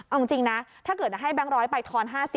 เอาจริงนะถ้าเกิดให้แบงค์ร้อยไปทอน๕๐